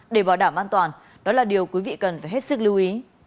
để bảo đảm an toàn đó là điều quý vị cần phải hết sức lưu ý